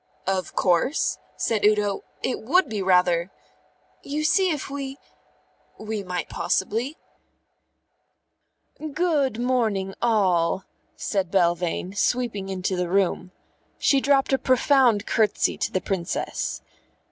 "Of course," said Udo. "It would be rather " "You see if we " "We might possibly " "Good morning, all!" said Belvane, sweeping into the room. She dropped a profound curtsey to the Princess.